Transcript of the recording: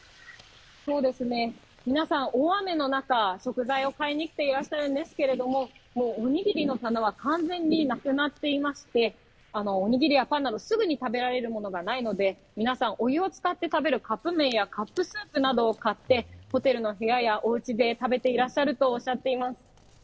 皆さん、大雨の中食材を買いに来ていらっしゃるんですけど、もうおにぎりの棚は完全になくなっていまして、おにぎりやパンなどすぐに食べられるものがないので皆さん、お湯を使って食べるカップめんやカップスープなどを買ってホテルの部屋やおうちで食べていらっしゃるとおっしゃっています。